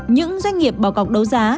những doanh nghiệp bỏ cọc đấu giá